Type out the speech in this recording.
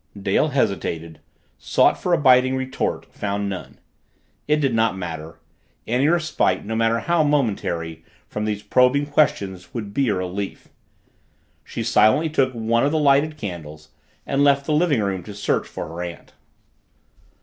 Dale hesitated, sought for a biting retort, found none. It did not matter; any respite, no matter how momentary, from these probing questions, would be a relief. She silently took one of the lighted candles and left the living room to search for her aunt.